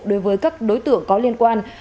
đối với các đối tượng có liên quan